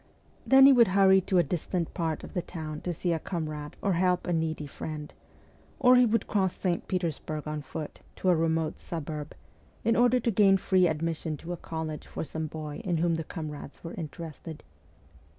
Then he would hurry to a distant part of the town to see a comrade or to help a needy friend ; or he would cross St. Petersburg on foot, to a remote suburb, in order to obtain free admission to a college for some boy in whom the comrades were interested.